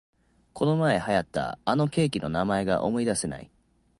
このまえ流行ったあのケーキの名前が思いだせない